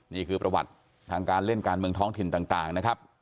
นี่คือประวัติทางการเล่นการเมืองท้องถิ่นต่างนะครับ